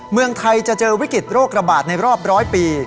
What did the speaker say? เมืองไทยจะเจอวิกฤตโรคระบาดในรอบร้อยปี